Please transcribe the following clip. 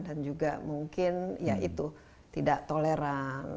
dan juga mungkin ya itu tidak toleran